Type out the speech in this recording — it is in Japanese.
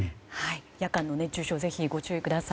夜間の熱中症ぜひご注意ください。